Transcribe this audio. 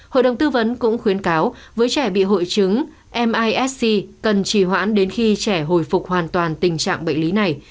hội đồng tư vấn cũng khuyến cáo với trẻ bị hội chứng misc cần trì hoãn đến khi trẻ hồi phục hoàn toàn tình trạng bệnh lý này